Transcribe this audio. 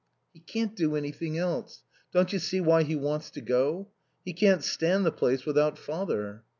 "He can't do anything else. Don't you see why he wants to go? He can't stand the place without Father."